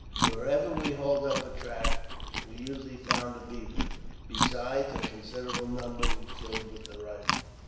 Wherever we hauled up a trap, we usually found a beaver, besides a considerable number we killed with the rifle.